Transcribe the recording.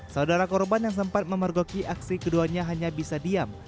saudara korban yang sempat memergoki aksi keduanya hanya bisa diam